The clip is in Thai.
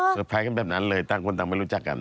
ใช่แผนก็แบบนั้นเลยตั้งคนต่างไม่รู้จักกัน